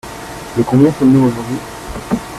Le combien sommes-nous aujourd'hui ?